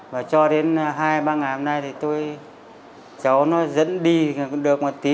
và cho đến hai ba ngày hôm nay thì tôi cháu nó dẫn đi được một tí